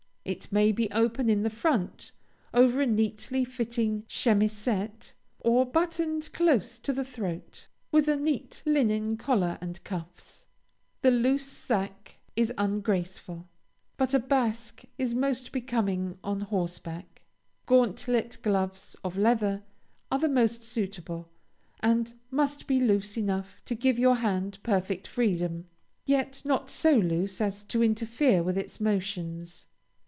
It may be open in the front, over a neatly fitting chemisette, or buttoned close to the throat, with a neat linen collar and cuffs. The loose sacque is ungraceful, but a basque is most becoming on horseback. Gauntlet gloves, of leather, are the most suitable, and must be loose enough to give your hand perfect freedom, yet not so loose as to interfere with its motions.